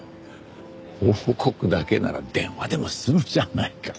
報告だけなら電話でも済むじゃないか。